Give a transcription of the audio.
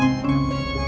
bapak juga begitu